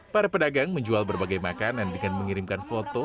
para pedagang menjual berbagai makanan dengan mengirimkan foto